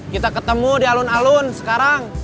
kita ketemu di alun alun sekarang